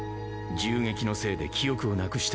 銃撃のせいで記憶をなくした。